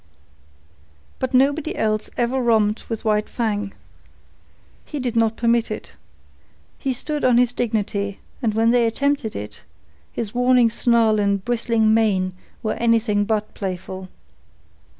But nobody else ever romped with White Fang. He did not permit it. He stood on his dignity, and when they attempted it, his warning snarl and bristling mane were anything but playful.